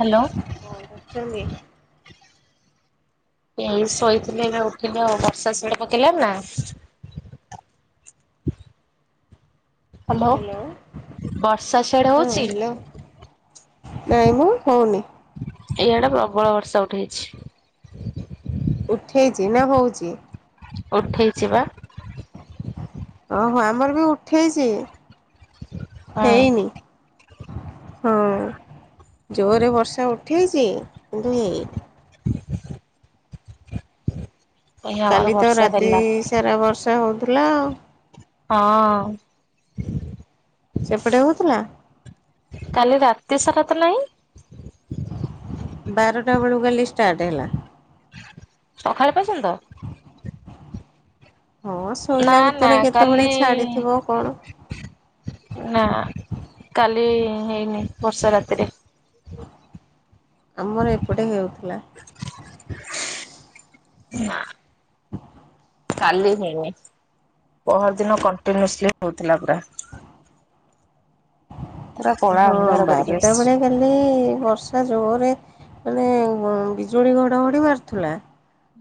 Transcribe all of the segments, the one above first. Hello. କଣ୍ କରୁଚନ୍ତି? ଏଇ ଶୋଇଥିଲି ଏଇନା ଉଠିଲି ଆଉ- ବର୍ଷା ସିଆଡେ ପକେଇଲାଣି ନା? ହ୍ୟାଲୋ। ହାଲୋ ବର୍ଷା ସିଆଡେ ହଁ ହଉଛି? ହ୍ୟାଲୋ। ନାଇଁ ମୁଁ ହଉନି। ଏଇଆଡ ପ୍ରବଳ ବର୍ଷା ଉଠେଇଚି। ଉଠେଇଚି ନା ହଉଚି? ଉଠେଇଚି ବା। ଓହୋ ଆମର ବି ଉଠେଇଚି ହଁ। ହେଇନି। ହଁ ଜୋର୍ ରେ ବର୍ଷା ଉଠେଇଚି କିନ୍ତୁ ହେଇନି। ଏଇ ଆମର କାଲି ତ ବର୍ଷା ରାତି ହେଲା ସାରା ବର୍ଷା ହଉଥିଲା ଆଉ। ହଁ। ସେପଟେ ହଉଥିଲା? କାଲି ରାତି ସାରା ତ ନାହିଁ ବାରଟା ବେଳକୁ କାଲି ଷ୍ଟାର୍ଟ ହେଲା। ସଖାଳେ ପର୍ଯ୍ୟନ୍ତ? ହଁ ନା ଶୋଇଲା ନା ଭିତରେ କେତେବେଳେ କାଲି ଛାଡିଥିବ କଣ ନା କାଲି ହେଇନି ବର୍ଷା ରାତିରେ। ଆମର ଏପଟେ ହେଉଥିଲା। ନା। କାଲି ହେଇନି ପଅର୍ ଦିନ କଣ୍ଟିନୁସଲି ହଉଥିଲା ପୁରା। ପୁରା କଳା ହଁ ଅନ୍ଧାର କରିକି ବାରଟା ଆସିଛି। ବେଳେ ହେଲେ ବର୍ଷା ଜୋର୍ ରେ ମାନେ ବିଜୁଳି ଘଡ଼ଘଡ଼ି ମାରୁଥିଲା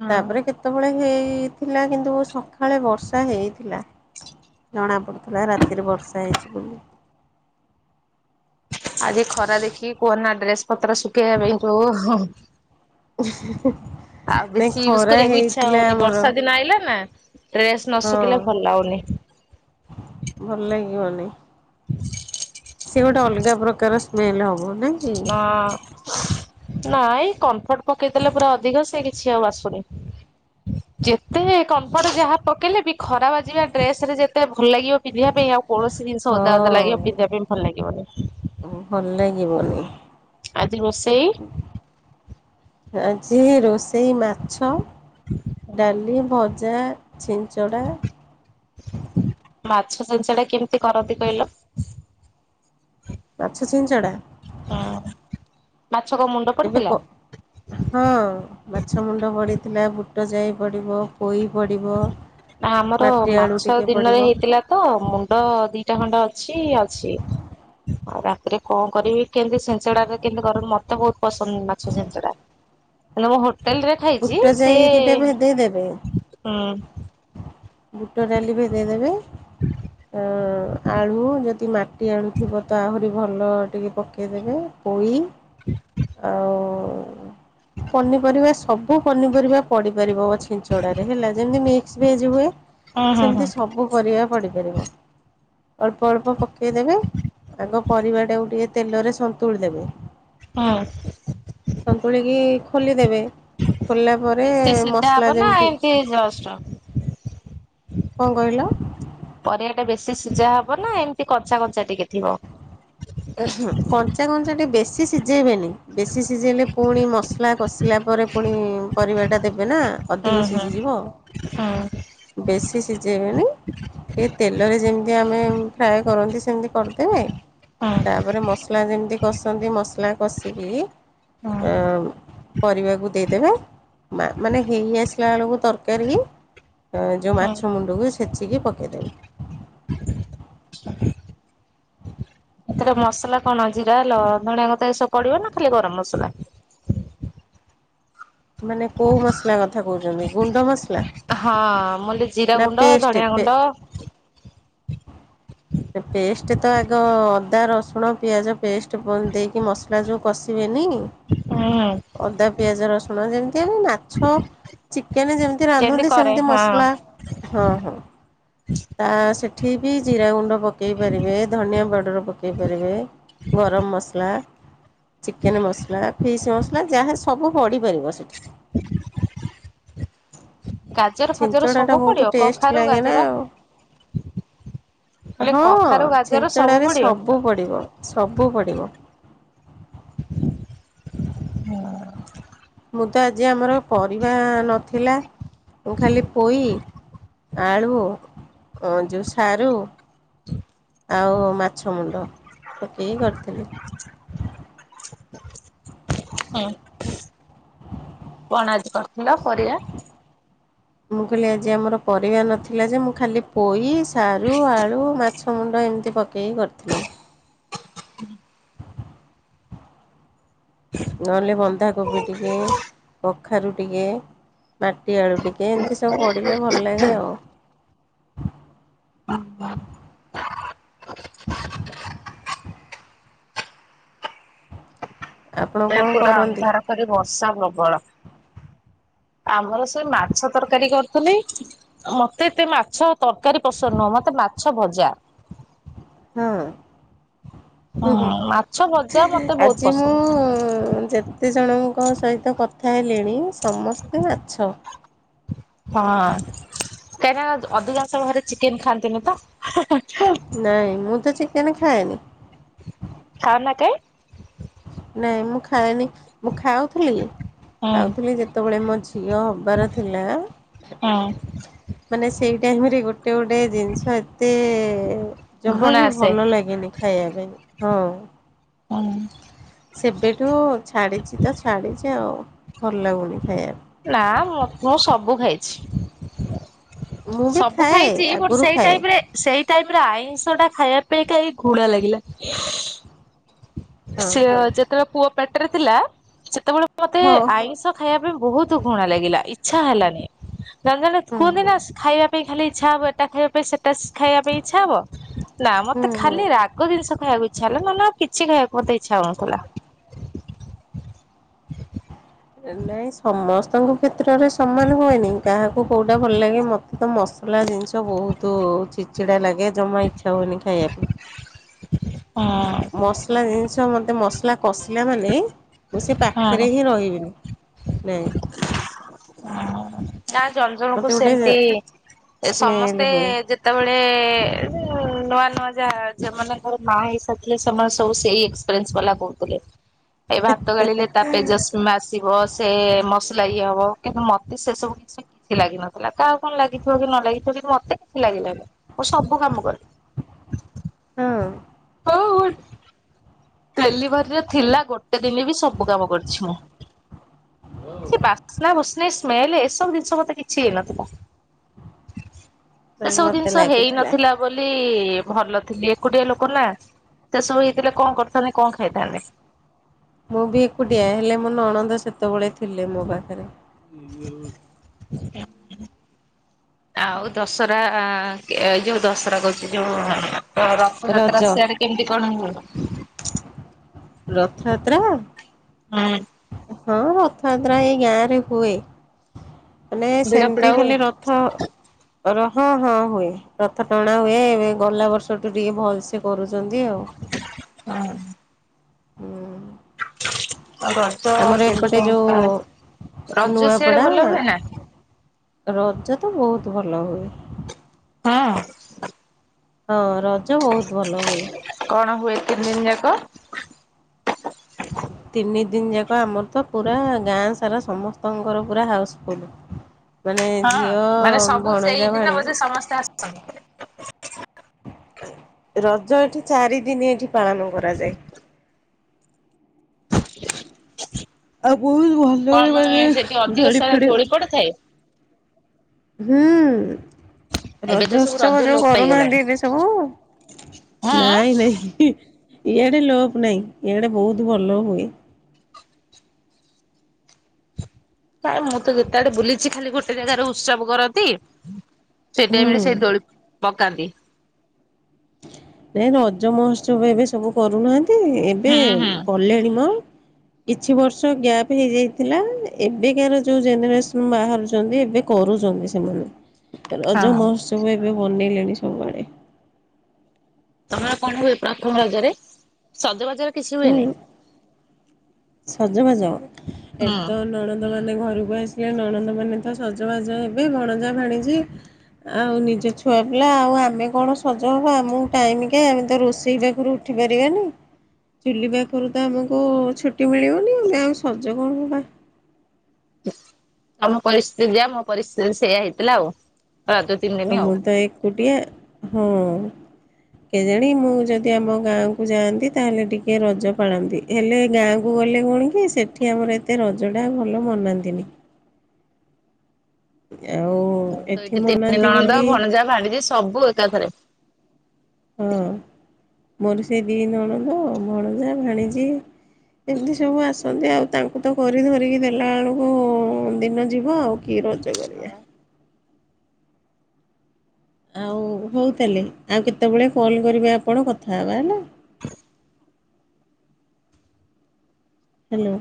ହଁ। ତାପରେ କେତେବେଳେ ହେଇଥିଲା କିନ୍ତୁ ସକାଳେ ବର୍ଷା ହେଇଥିଲା। ଜଣାପଡୁଥିଲା ରାତିରେ ବର୍ଷା ହେଇଚି ବୋଲି। ଆଜି ଖରା ଦେଖିକି କୁହନା ଡ୍ରେସ ପତ୍ର ଶୁଖେଇବା ପାଇଁ ଯଉ [inaudible] ଆଉ ନାଇଁ ବେଶୀ ୟୁଜ୍ ଖରା କରିବାକୁ ଇଚ୍ଛା ହେଇଥିଲା ହଉନି ଆମର ବର୍ଷା ଦିନ ଆଇଲା ନା ଡ୍ରେସ ନ ହଁ ଶୁଖିଲେ ଭଲ ଲାଗୁନି। ଭଲ ଲାଗିବନି। ସେ ଗୋଟେ ଅଲଗା ପ୍ରକାର ସ୍ମେଲ ହବ। ନା। ନାଇଁ କମ୍ଫର୍ଟ ପକେଇ ଦେଲେ ପୁରା ଅଧିକ ସେ କିଛି ଆଉ ବାସୁନି। ଯେତେ କମ୍ପର୍ଟ ଯାହା ପକେଇଲେ ବି ଖରା ବାଜିବା ଡ୍ରେସ ରେ ଯେତେ ଭଲ ଲାଗିବ ପିନ୍ଧିବା ପାଇଁ ଆଉ କୌଣସି ଜିନିଷ ଓଦା ଓଦା ହଁ। ଲାଗିବ ପିନ୍ଧିବା ପାଇଁ ଭଲ ଲାଗିବନି। ଭଲ ଲାଗିବନି। ଆଜି ରୋଷେଇ? ଆଜି ରୋଷେଇ ମାଛ ହଁ ଡାଲି ଭଜା। ଛିଞ୍ଚଡ଼ା। ହ ମାଛ ଛିଞ୍ଚଡ଼ା କେମତି କରନ୍ତି କହିଲ? ମାଛ ଛିଞ୍ଚଡା? ହଁ ମାଛ କଣ ମୁଣ୍ଡ କେବେ କ ପଡିଥିଲା? ହଁ ମାଛ ମୁଣ୍ଡ ପଡ଼ିିଥିଲା ବୁଟ ଯାଇ ପଡ଼ିବ। ପୋଇ ପଡ଼ିବ। ଆମର ମାଟି ଆଳୁ ମାଛ ଟିକେ ଦିନରେ ପଡ଼ିବ ହେଇଥିଲା ତ ମୁ ଣ୍ଡ ଦିଟା ଖଣ୍ଡେ ଅଛି ଅଛି। ଆଉ ରାତିରେ କଣ କରିବି କେମିତି ଛିଞ୍ଚଡାଟା କେମିତି କର ମତେ ବହୁତ ପସନ୍ଦ ମାଛ ଛିଞ୍ଚଡା। ହେଲେ ମୁଁ ହୋଟେଲ୍ ରେ ଖାଇଛି ସିଏ ଦେଇ ଦେବେ। ହୁଁ। ବୁଟ ଡାଲି ଭେଦେଇଦେବେ ଅ ଆଳୁ ଯଦି ମା ଟି ଆଳୁଥିବ ତ ଆହୁରି ଭଲ ଟିକେ ପକେଇଦେବେ ପୋଇ ଆଉ ପନିପରିବା ସବୁ ପନିପରିବା ପଡିପାରିବ ଛିଞ୍ଚଡ଼ାରେ ହେଲା ଯେମତି ମିକ୍ସ ଭେଜ ହୁଏ। ହୁଁ ହୁଁ ସେମତି ହୁଁ ସବୁ ପରିବା ପଡିପାରିବ ଅଳ୍ପ ଅଳ୍ପ ପକେଇଦେବେ। ଆଗ ପରିବାଟାକୁ ଟିକେ ତେଲରେ ସନ୍ତୁଳି ଦେବେ। ହଁ। ସନ୍ତୁଳିକି ଖୋଲିଦେବେ। ଖୋଲିଲା ପରେ ବେଶୀ ସିଧା ମସଲା ହବ ନା ଯେମିତି ଏମିତି ଜଷ୍ଟ? କଣ କହିଲ? ପରିବାଟା ବେଶୀ ସିଝା ହବ ନା ଏମତି କଞ୍ଚା କଞ୍ଚା ଟିକେ ଥିବ? କଞ୍ଚା କଞ୍ଚା ଟିକେ ବେଶି ସିଝେଇବେନି। ବେଶୀ ସିଝେଇଲେ ପୁଣି ମସଲା କଷିଲା ପରେ ପୁଣି ପରିବାଟା ଦେବେ ନା। ଅଧିକ ହୁଁ ହୁଁ ସିଝିଯିବ ହୁଁ ହୁଁ ବେଶୀ ସିଝେଇବେନି। ଏ ତେଲରେ ଯେମତି ଆମେ ଫ୍ରାଏ କରନ୍ତି ସେମିତି କର ଦେବେ ହୁଁ ତାପରେ ମସଲା ଯେମତି କଷନ୍ତି ମସଲା କଷିକି [inaudible] ପରିବାକୁ ଦେଇଦେବେ ମା ମାନେ ହେଇ ଆସିଲା ବେଳକୁ ତରକାରୀ ଯୋଉ ହୁଁ। ମାଛ ମୁଣ୍ଡକୁ ଛେଚିକି ପକେଇଦେବେ। ଏଥିରେ ମସଲା କଣ ଜିରା ଲ ଧଣିଆ ପତ୍ର ଏସବୁ ପଡ଼ିବନା ଖାଲି ଗରମ ମସଲା? ମାନେ କୋଉ ମସଲା କଥା କହୁଛନ୍ତି ଗୁଣ୍ଡ ମସଲା? ହଁ ମୁଁଲି ଜିରା ନା ଗୁଣ୍ଡ ଧଣିଆ ପେଷ୍ଟ ଗୁଣ୍ଡ। ପେଷ୍ଟ ତ ଆଗ ଅଦା, ରସୁଣ, ପିଆଜ ପେଷ୍ଟ ପ ଦେଇକି ମସ ସଲା ଯୋଉ କଷିବେନି ହୁଁ ଅଦା ପିଆଜ ରସୁଣ ଯେମିତିଆ ନୁହଁନା। ମାଛ ଚିକେନ ଯେମତି ଯେମିତି ରାନ୍ଧନ୍ତି କରେ ସେମିତି ହଁ ମସଲା। ହଁ ହଁ ତା ସେଠି ବି ଜିରା ଗୁଣ୍ଡ। ପକେଇ ପାରିବେ ଧନିଆ ପାଉଡ଼ର ପକେଇ ପାରିବେ ଗରମ ମସଲା ଚିକେନ୍ ମସଲା ଫିସ୍ ମସଲା ଯାହା ସବୁ ପଡ଼ି ପାରିବ ସେଠି। ଗାଜର ଫାଜର ଛିଞ୍ଚଡ଼ାଟା ସବୁ ବହୁତ ପଡ଼ିବ ଟେଷ୍ଟ କଖାରୁ ଲାଗେ ନା ଗାଜର। ଆଉ ହେଲେ ହଁ କଖାରୁ, ଗାଜର ସବୁ ଛିଞ୍ଚଡ଼ାରେ ପଡ଼ିବ। ସବୁ ପଡ଼ିବ ସବୁ ପଡ଼ିବ। ହଁ ମୁଁ ତ ଆଜି ଆମର ପରିବା ନଥିଲା ମୁଁ ଖାଲି ପୋଇ ଆଳୁ ଯୋଉ ସାରୁ ଆଉ ମାଛ ମୁଣ୍ଡ ପକେଇକି କରିଥିଲି। ହଁ କଣ ଆଜି କରିଥିଲ ପରିଆ? ମୁଁ କହିଲି ଆଜି ଆମର ପରିବା ନଥିଲା ଯେ ମୁଁ ଖାଲି ପୋଇ ସାରୁ ଆଳୁ ମାଛ ମୁଣ୍ଡ ଏମତି ପ କେହି କରିଥିଲେ। ନହେଲେ ବନ୍ଧାକୋବି ଟିକେ କଖାରୁ ଟିକେ। ମାଟି ଆଳୁ ଟିକେ ଏମିତି ସବୁ ପଡ଼ିଲେ ଭଲ ଲାଗେ ଆଉ। ଆପଣ ଏ କଣ ପୁରା କରନ୍ତି? ଅନ୍ଧାର କରି ବର୍ଷା ପ୍ରବଳ। ଆମର ସେ ମାଛ ତରକାରୀ କରିଥିଲି। ମତେ ଏତେ ମାଛ ତରକାରୀ ପସନ୍ଦ ନୁହଁ ମତେ ମାଛ ଭଜା। ହୁଁ ହୁଁ ହୁଁ ମାଛ ଭଜା ମତେ ବହୁତ ଆଜି ମୁ ପସନ୍ଦ। ଯେ କେତେ ଜଣଙ୍କ ସହିତ କଥା ହେଲିଣି ସମସ୍ତେ ମାଛ। ହଁ କାହିଁକି ନା ଅଧିକାଂଶ ଘରେ ଚିକେନ ଖାଆନ୍ତିନି ତ। ନାଇଁ ମୁଁ ତ ଚିକେନ ଖାଏନି। ଖାଅ ନା କାଇଁ ନାଇଁ ମୁଁ ଖାଏନି ମୁଁ ଖାଉଥିଲି ହୁଁ ଖାଉଥିଲି ଯେତେବେଳେ ମୋ ଝିଅ ହବାର ଥିଲା। ହୁଁ ମାନେ ସେଇ ଟାଇମ୍ ରେ ଗୋଟେ ଗୋଟେ ଜିନିଷ ଏତେ ଜମା ଘୃଣା ବି ଆସେ ଭଲ ଲାଗେନି ଖାଇବା ପାଇଁ। ହଁ ହଁ ସେବେଠୁ ଛାଡିଛି ତ ଛାଡିଛି ଆଉ ଭଲ ଲାଗୁନି ଖାଇବା। ନା ମ ମୁଁ ସବୁ ଖାଇଛି। ମୁଁ ବି ସବୁ ଖାଏ ଖାଇଛି ବଟ୍ ଆଗରୁ ସେଇ ଖାଏ ଟାଇପ୍ ରେ। ସେଇ ଟାଇମ୍ ରେ ଆଇଁଷ ଟା ଖାଇବା ପାଇଁ କାଇଁ ଘୃଣା ଲାଗିଲା। ହଁ ସେ ଯେତେବେଳେ ପୁଅ ପେଟରେ ଥିଲା। ସେତେବେଳେ ମତେ ହଉ ଆଇଁଷ ଖାଇବା ପାଇଁ ବହୁତ ଘୁଣା ଲାଗିଲା ଇଚ୍ଛା ହେଲାନି। ଜଣେ ଜଣେ ହୁଁ କୁହନ୍ତି ହୁଁ ନା ଖାଇଆ ଖାଲି ଇଛା ହବ ଏଟା ଖାଇବା ପାଇଁ ସେଟା ଖାଇବା ପାଇଁ ଇଛା ହବ, ନା ମତେ ହୁଁ ହୁଁ ଖାଲି ରା ରାଗ ଜିନିଷ ଖାଇବାକୁ ଇଛା ହେଲା ନ ହେଲେ କିଛି ଖାଇବା ମୋତେ ଇଛା ହଉନଥିଲା। ନାଇଁ ସମସ୍ତଙ୍କ କ୍ଷେତ୍ରରେ ସମାନ ହୁଏନି କାହାକୁ କୋଉଟା ଭଲ ଲାଗେ ମତେ ତ ମସଲା ଜିନ୍ ସ ବହୁତୁ ଚିଡ଼ି ଚିଡ଼ା ଲାଗେ ଜମା ଇଚ୍ଛା ହୁଏନି ଖାଇବା ପାଇଁ। ହୁଁ। ମସଲା ଜିନିଷ ମୋତେ ମସଲା କଷିଲା ମାନେ ମୁଁ ସେ ହୁଁ ପାଖରେ ହିଁ ରହିବିନି। ନାଇ। ନା ଜଣ ଜଣ କୁ ମୋତେ ଗୋଟେ ସେମତି ସ୍ମେଲ୍ ସମସ୍ତେ ହୁଏ ଯେ ଯେତେବେଳେ ନୂଆ ନୂଆ ଯାହା ଯଉମାନଙ୍କର ମା ହେଇସାରିଥିଲେ ସେମାନେ ସବୁ ସେଇ [unintelligible] ବାଲା କହୁଥିଲେ। ଏ ଭାତ ଗାଳିଲେ ତା ପେଜ ସ୍ମେ ଆସିବ ସେ ମସଲା ଇଏ ହବ କିନ୍ତୁ ମତେ ସେ ସବୁ କିଛି କିଛି ଲାଗି ନଥିଲା କାହା କଣ ଲାଗିଥିବ କି ନ ଲାଗିଥିବ କିନ୍ତୁ ମତେ କିଛି ଲାଗିଲାନି ମୁଁ ସବୁ କାମ କରେ। ହୁଁ। ହଉ [unintelligible] ଡେଲିଭରିରେ ଥିଲା ଗୋ ଟେ ଦିନରେ ବି ସବୁ କାମ କରିଛି ମୁଁ ସେ ବାସ୍ନା ବୁସ୍ନି ସ୍ମେଲ ଏସବୁ ଜିନିଷ ମତେ କିଛି ହେଇନଥିଲା। ସେ ସବୁ ମୋତେ ଜିନିଷ ହେଇ ଲାଗିଥିଲା ନଥିଲା ବୋଲି ଭଲ ଥିଲି ଏକୁଟିଆ ଲୋକ ନା ସେ ସବୁ ହେଇଥିଲେ କଣ କର ଥାନ୍ତି କଣ ଖାଇଥାନ୍ତି? ମୁଁ ବି ଏକୁଟିଆ ହେଲେ ମୋ ନଣନ୍ଦ ସେତେବେଳେ ଥିଲେ ମୋ ପାଖେରେ। ଆଉ ଦଶହରା ଏ ଯୋଉ ଦଶହରା କହୁଛି ଯୋଉ ରଜ ରଥଯାତ୍ରା ସିଆଡ଼େ କେମିତି କଣ ହୁଏ? ରଥଯାତ୍ରା? ହୁଁ ହଁ ରଥାଯାତ୍ରା ଏଇ ଗାଁ ରେ ହୁଏ। ମାନେ ଭିଡ ଫିଡ ସେମିତି ଖାଲି ର [inaudible] ର ହଁ ହଁ ହୁଏ। ରଥ ଟଣା ହୁଏ ଏ ଗଲା ବର୍ଷଠୁ ଟିକେ ଭଲସେ କରୁଛନ୍ତି ଆଉ। ହୁଁ। ଆମର ଏପଟେ ଯୋଉ ରଜ ସିଆଡ଼େ ଭଲ ନୂଆପଡ଼ା ହୁଏ ନା? ରଜ ତ ବହୁତ ଭଲ ହୁଏ। ହୁଁ। ହଁ ରଜ ବହୁତ ଭଲ ହୁଏ। କଣ ହୁଏ ତିନି ଦିନ ଯାକ? ତିନି ଦିନି ଯାକ ଆମର ତ ପୁରା ଗାଁ ସାରା ସମସ୍ତଙ୍କ ଘର ପୁରା ହାଉସଫୁଲ୍। ମାନେ ହଁ ଝିଅ ମାନେ ସବୁ ଭଣଜା ସେଇଦିନ ବୋଧେ ଭାଣିଜି ସମସ୍ତେ ଆସନ୍ତି। ରଜ ଏଠି ଚାରିଦିନି ଏଠି ପାଳନ କରାଯାଏ। ଆଉ ବହୁତ ଭଲରେ ମାନେ ଧୂଳି ଫୁଳି ପଡ଼ି ଥାଏ। ହୁଁ। ଏବେ ତ ରଜ ସବୁ ଉତ୍ସବ ରଜ ଯୋଉ ଲୋପ କରୁନାହାନ୍ତି ପାଇଗଲାଣି ଏବେ ସବୁ, ହଁ ନାଇଁ ନାଇଁ ଇଆଡ଼େ ଲୋପ୍ ନାଇଁ ଇଆଡ଼େ ବହୁତ ଭଲ ହୁଏ। ଥାଏ ମୁଁ ତ ଯେତେଆଡ଼େ ବୁଲିଛି ଖାଲି ଗୋଟେ ଜାଗାରେ ଉତ୍ସବ କରନ୍ତି ସେ ଟାଇମ୍ ରେ ହୁଁ ସେଇ ଦୋଳି ପକାନ୍ତି। ନାଇଁ ରଜ ମହୋତ୍ସବ ଏବେ ସବୁ କରୁନାହାନ୍ତି ଏବେ ହୁଁ ହୁଁ କଲେଣି ମ କିଛି ବର୍ଷ ଗ୍ୟାପ ହେଇଯାଇଥିଲା ଏବେକାର ଯୋଉ ଜେନେରେସନ ବାହାରୁଛନ୍ତି ଏବେ କରୁଛନ୍ତି ସେମାନେ ରଜ ହଁ ମହୋତ୍ସବ ଏବେ ବନେଇଲେଣି ସବୁଆଡ଼େ। ତମର ଗାଁରେ କଣ ହୁଏ ପ୍ରଥମ ରଜରେ, ସଜବାଜରେ କିଛି ହୁଁ ହୁଏନି? ସଜବାଜ, ହୁଁ ଏଠିତ ନଣନ୍ ନଣନ୍ଦ ମାନେ ଘରକୁ ଆସିବେ, ନଣନ୍ଦ ମାନେ ତ ସଜବାଜ ହେବେ, ଭଣଜା ଭାଣିଜି ଆଉ ନିଜ ଛୁଆ ପିଲା ଆଉ, ଆମେ କଣ ସଜ ହବୁ, ଆମକୁ ଟାଇମ କାଇଁ? ଆମେ ତ ରୋଷେଇ ପାଖୁରୁ ଉଠି ପାରିବାନି, ଚୁଲି ପାଖରୁ ତ ଆମକୁ ଛୁ ମିଳିବନି, ଆମେ ଆଉ ସଜ କଣ ହେବା? ତମ ପରିସ୍ଥିତି ଯାହା, ମୋ ପରିସ୍ଥିତି ସେଇଆ ହେଇଥିଲା ଆଉ, ରଜ ଦି ତ ମୁଁ ତ ଏକୁଟିଆ, ହୁଁ। କେଜାଣି, ମୁଁ ଯଦି ଆମ ଗାଁକୁ ଯାଆନ୍ତି, ତାହେଲେ ଟିକେ ରଜ ପାଳନ୍ତି। ହେଲେ ଗାଁକୁ ଗଲେ କଣ କି, ସେଠି ଆମର ଏତେ ରଜଟା ଭଲ ମନାନ୍ତିନି। ଆଉ ମୁଁ ତ ଏଠି ଏବେ ତିନି ମନାନ୍ତି ନଣନ୍ଦ, ବୋଲି ଭଣଜା, ଭାଣିଜି ସବୁ ଏକାଥରେ ହଁ, ମୋର ସେ ଦି ନଣଦ, ଭଣଜା, ଭାଣିଜି ଏମିତି ସବୁ ଆସନ୍ତି ଆଉ, ତାଙ୍କୁ ତ କରି ଧରିକି ଦେଲା ବେଳକୁ, ଦିନ ଯିବ ଆଉ। କି ରଜ କରିବା? ଆଉ ହଉ ତାହେଲେ, ଆଉ କେତେବେଳେ କଲ୍ କରିବେ ଆପଣ କଥା ହେବା ହେଲା। ହାଲୋ